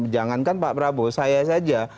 jangankan pak prabowo saya saja